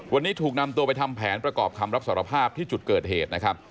วันนี้ถูกนำตัวไปทำแผนประกอบคำรับสารภาพที่จุดเกิดเหตุนะครับ